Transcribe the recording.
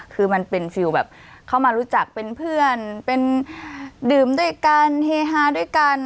คือมันเป็นฟิลแบบเข้ามารู้จักเป็นเพื่อนเป็นดื่มด้วยกันเฮฮาด้วยกัน